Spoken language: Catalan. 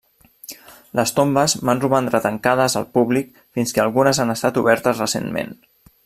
Les tombes van romandre tancades al públic fins que algunes han estat obertes recentment.